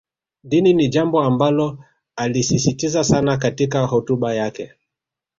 Dini ni jambo ambalo alisisitiza sana katika hotuba zake